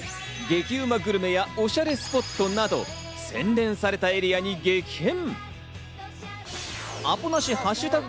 激うまグルメやおしゃれスポットなど、洗練されたエリアに激変。